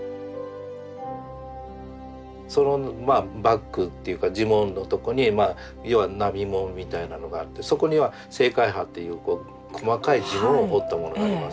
そのバックっていうか地紋のとこに要は波紋みたいなのがあってそこには青海波っていう細かい地紋を彫ったものがあります。